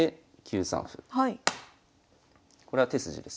これは手筋です。